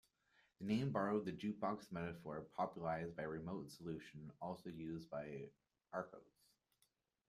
The name borrowed the jukebox metaphor popularised by "Remote Solution", also used by "Archos".